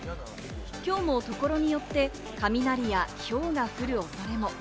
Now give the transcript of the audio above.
今日も所によって、雷やひょうが降る恐れも。